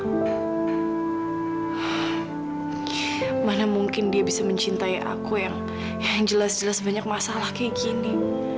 bagaimana mungkin dia bisa mencintai aku yang jelas jelas banyak masalah seperti ini